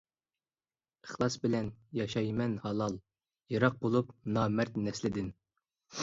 ئىخلاس بىلەن ياشايمەن ھالال، يىراق بولۇپ نامەرد نەسلىدىن.